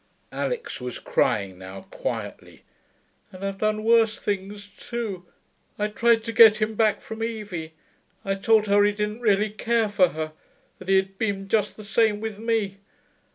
Alix was crying now, quietly. 'And I have done worse things, too.... I tried to get him back from Evie. I told her he didn't really care for her that he had been just the same with me.